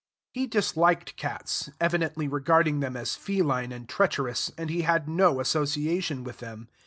He disliked cats, evidently regarding them as feline and treacherous, and he had no association with them.